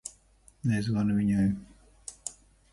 Nezvani viņai.